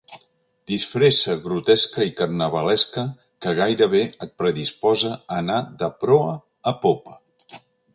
Disfressa grotesca i carnavalesca que gairebé et predisposa a anar de proa a popa.